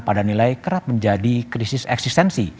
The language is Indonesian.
pada nilai kerap menjadi krisis eksistensi